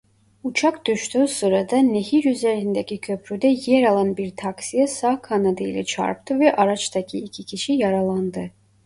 Uçak düştüğü sırada nehir üzerindeki köprüde yer alan bir taksiye sağ kanadı ile çarptı ve araçtaki iki kişi yaralandı.